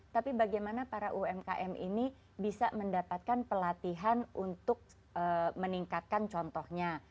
tapi bagaimana para umkm ini bisa mendapatkan pelatihan untuk meningkatkan contohnya